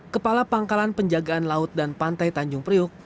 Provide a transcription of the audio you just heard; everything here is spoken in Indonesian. kepala pangkalan penjagaan laut dan pantai tanjung priuk